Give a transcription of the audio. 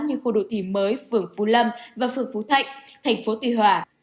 như khu đô thị mới phượng phú lâm và phượng phú thạnh tp tùy hòa